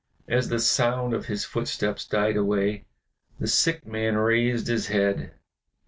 As the sound of his footsteps died away, the sick man raised his head.